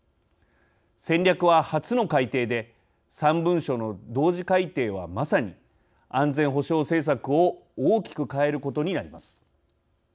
戦略は、初の改定で３文書の同時改定はまさに、安全保障政策を大きく変えることになります。